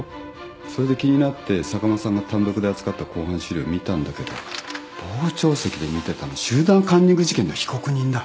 それで気になって坂間さんが単独で扱った公判資料見たんだけど傍聴席で見てたの集団カンニング事件の被告人だ。